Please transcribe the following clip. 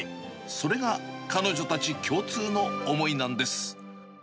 それが彼女たち共通の思いなんです。